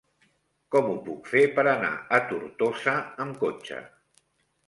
Com ho puc fer per anar a Tortosa amb cotxe?